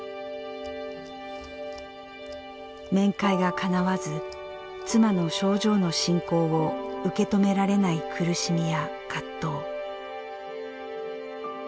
面会がかなわず妻の症状の進行を受け止められない苦しみや葛藤。